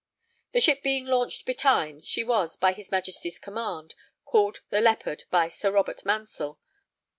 The ship being launched betimes, she was, by his Majesty's command, called the Leopard by Sir Robert Mansell.